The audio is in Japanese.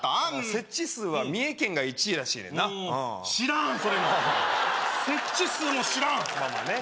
設置数は三重県が１位らしいねんな知らんそれも設置数も知らんまあまあね